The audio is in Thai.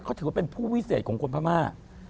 เขาถือว่าเป็นผู้วิเศษของคนพม่า